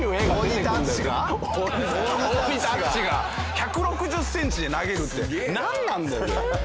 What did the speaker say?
１６０センチで投げるってなんなんだよ。